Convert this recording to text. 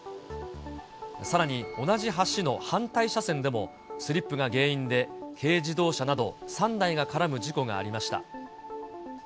さらに同じ橋の反対車線でも、スリップが原因で、軽自動車など、３台が絡む事故がありました。